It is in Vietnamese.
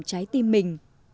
trái tim mình